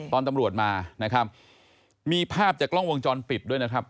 ตอนตำรวจมานะครับมีภาพจากกล้องวงจรปิดด้วยนะครับ